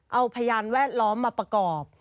เอาพยานแวดล้อมมาประกอบ